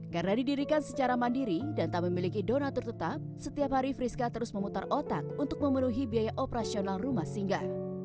karena didirikan secara mandiri dan tak memiliki donatur tetap setiap hari friska terus memutar otak untuk memenuhi biaya operasional rumah singga